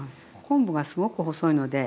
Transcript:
昆布がすごく細いので。